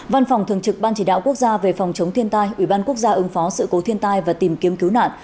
văn phòng thường trực ban chỉ đạo quốc gia về phòng chống thiên tai ủy ban quốc gia ứng phó sự cố thiên tai và tìm kiếm cứu nạn